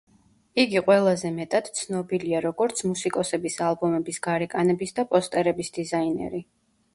იგი ყველაზე მეტად ცნობილია, როგორც მუსიკოსების ალბომების გარეკანების და პოსტერების დიზაინერი.